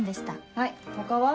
はい他は？